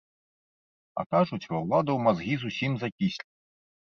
А кажуць, ва ўладаў мазгі зусім закіслі!